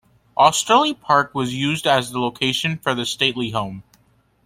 Osterley Park was used as the location for the stately home.